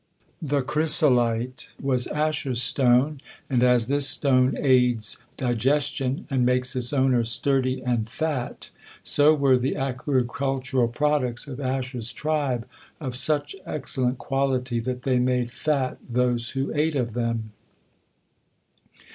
The chrysolite was Asher's stone, and as this stone aids digestion and makes its owner sturdy and fat, so were the agricultural products of Asher's tribe of such excellent quality that they made fat those who ate of them.